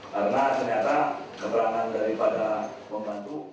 karena ternyata keterangan daripada pembantu